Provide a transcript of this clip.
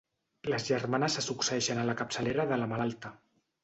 Les germanes se succeeixen a la capçalera de la malalta.